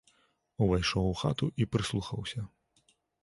Увайшоў у хату і прыслухаўся.